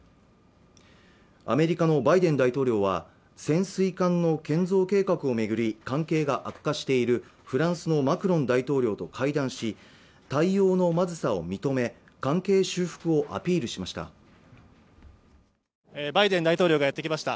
アメリカのバイデン大統領は潜水艦の建造計画を巡り関係が悪化しているフランスのマクロン大統領と会談し対応のまずさを認め関係修復をアピールしましたバイデン大統領がやってきました